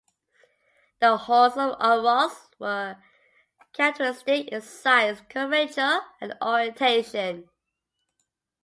The horns of the aurochs were characteristic in size, curvature, and orientation.